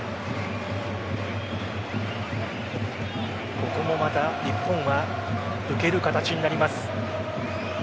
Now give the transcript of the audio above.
ここもまた日本は受ける形になります。